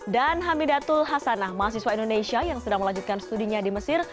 dan hamidatul hasanah mahasiswa indonesia yang sedang melanjutkan studinya di mesir